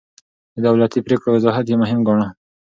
د دولتي پرېکړو وضاحت يې مهم ګاڼه.